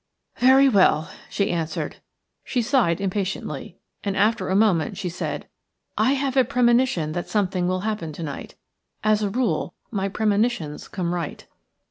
"Very well," she answered. She sighed impatiently, and after a moment she said:– "I have a premonition that something will happen to night. As a rule my premonitions come right."